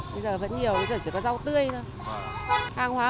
bây giờ vẫn nhiều bây giờ chỉ có rau tươi thôi